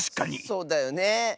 そうだよね。